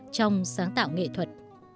trong sáng tạo nghệ thuật